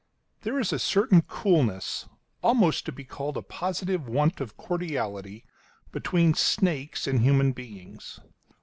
There is a certain coolness, almost to be called a positive want of cordiality, between snakes and human beings.